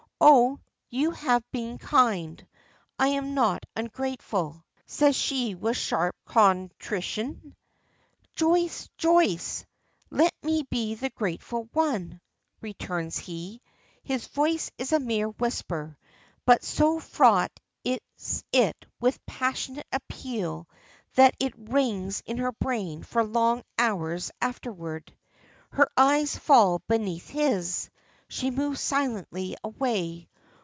"Oh, you have been kind! I am not ungrateful," says she with sharp contrition. "Joyce, Joyce! Let me be the grateful one," returns he. His voice is a mere whisper, but so fraught is it with passionate appeal that it rings in her brain for long hours afterward. Her eyes fall beneath his. She moves silently away.